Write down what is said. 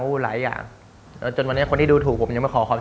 เราแพ้แจ้วรู้สึกว่า